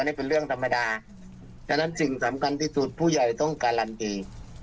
นี่เป็นเรื่องธรรมดาฉะนั้นสิ่งสำคัญที่สุดผู้ใหญ่ต้องการันตี